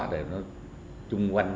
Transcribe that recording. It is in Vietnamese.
rồi nó chung quanh